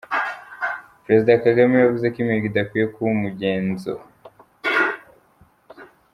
Perezida Kagame yavuze ko imihigo idakwiye kuba umugenzo.